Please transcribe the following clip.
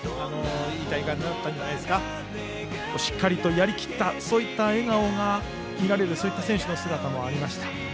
いい大会にしっかりとやりきったそういった笑顔が見られるそういった選手の姿もありました。